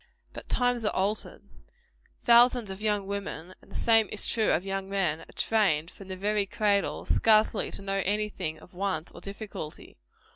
But "times are altered." Thousands of young women and the same is true of young men are trained from the very cradle, scarcely to know any thing of want or difficulty.